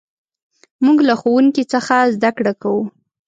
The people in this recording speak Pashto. موږ له ښوونکي څخه زدهکړه کوو.